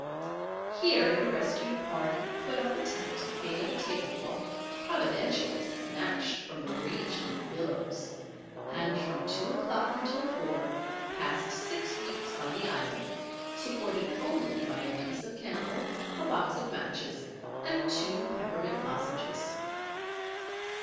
Here the rescued party put up a tent made of a table cloth providentially snatched from the raging billows, and from two o'clock until four, passed six weeks on the island supported only by a piece of candle, a box of matches, and two peppermint lozenges.